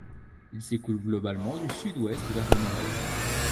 Il s'écoule globalement du sud-ouest vers le nord-est.